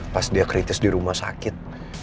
pas dia kritis di rumah sakit